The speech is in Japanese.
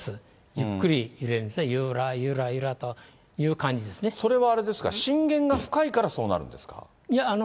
ゆっくり揺れるんですね、それはあれですか、震源が深いからそうなるんですか？